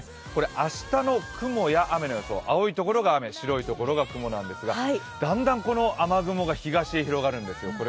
明日の雲や雨の予想、青いところが雨、白いところが雲なんですが、だんだんこの雨雲が東へ広がるんです。